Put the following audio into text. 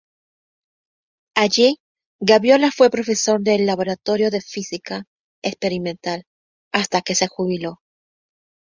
Allí Gaviola fue profesor del laboratorio de física experimental hasta que se jubiló.